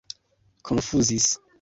konfuzis